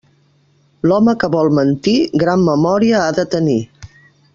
L'home que vol mentir, gran memòria ha de tenir.